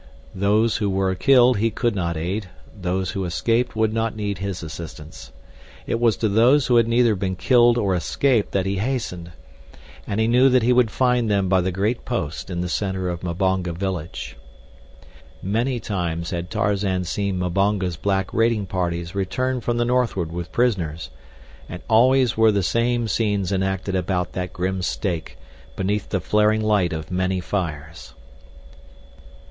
Those who were killed he could not aid, those who escaped would not need his assistance. It was to those who had neither been killed or escaped that he hastened. And he knew that he would find them by the great post in the center of Mbonga village. Many times had Tarzan seen Mbonga's black raiding parties return from the northward with prisoners, and always were the same scenes enacted about that grim stake, beneath the flaring light of many fires.